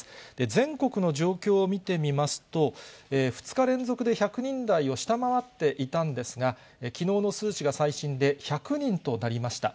全国の状況を見てみますと、２日連続で１００人台を下回っていたんですが、きのうの数値が最新で１００人となりました。